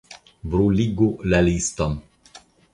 Bruligu la liston.